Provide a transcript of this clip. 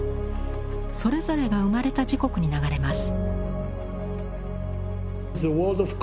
それぞれが生まれた時刻に流れます。